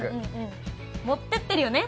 持ってってるよね？